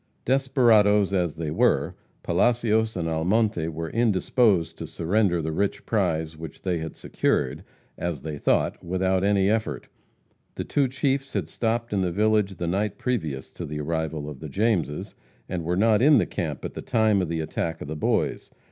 Desperadoes as they were, Palacios and Almonte were indisposed to surrender the rich prize which they had secured, as they thought, without any effort. The two chiefs had stopped in the village the night previous to the arrival of the Jameses, and were not in the camp at the time of the attack of the Boys.